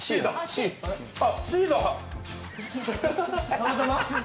たまたま？